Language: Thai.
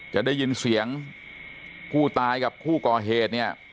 จะได้ยินเสียงผู้ตายกับผู้ก่อเหตุเนี่ย